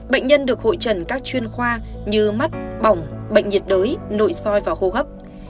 bệnh nhân được hội trần các chuyên khoa như mắt bỏng bệnh nhiệt đới nội soi và hô hấp